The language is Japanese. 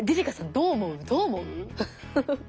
どう思う？